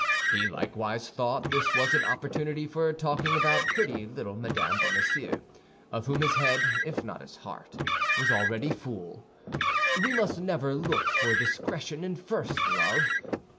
He likewise thought this was an opportunity for talking about pretty little Mme. Bonacieux, of whom his head, if not his heart, was already full. We must never look for discretion in first love.